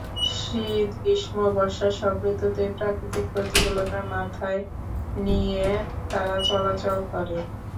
শীত, গ্রীষ্ম, বর্ষা—সব ঋতুতেই প্রাকৃতিক প্রতিকূলতা মাথায় নিয়ে তারা চলাচল করে।